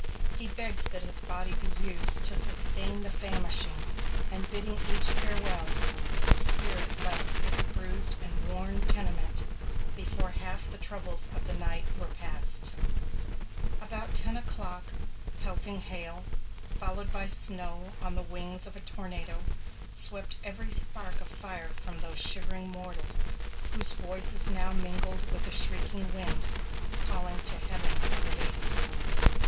He begged that his body be used to sustain the famishing, and bidding each farewell, his spirit left its bruised and worn tenement before half the troubles of the night were passed. About ten o'clock, pelting hail, followed by snow on the wings of a tornado, swept every spark of fire from those shivering mortals, whose voices now mingled with the shrieking wind, calling to heaven for relief.